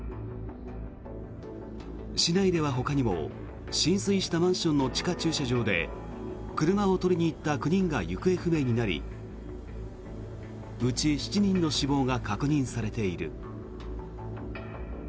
市内ではほかにも浸水したマンションの地下駐車場で車を取りに行った９人が行方不明になりうち７人の死亡が確認されている。